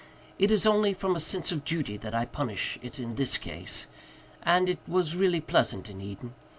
It is only from a sense of duty that I punish it in this case. And it was really pleasant in Eden.